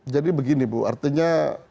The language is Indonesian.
jadi begini bu artinya